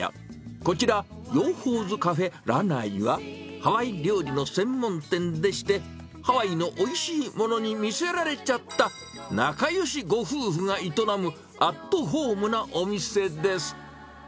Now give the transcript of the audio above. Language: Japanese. こちら、ヨーホーズカフェラナイは、ハワイ料理の専門店でして、ハワイのおいしいものに魅せられちゃった仲よしご夫婦が営むアットホームなお店です。